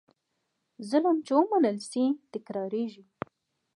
ظلم چې ومنل شي، تکرارېږي.